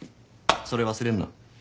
それ忘れんな？